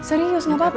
eh serius gak apa apa